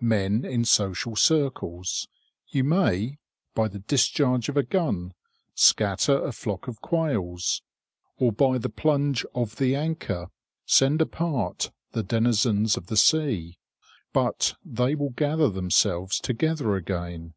Men in social circles. You may, by the discharge of a gun, scatter a flock of quails, or by the plunge of the anchor send apart the denizens of the sea; but they will gather themselves together again.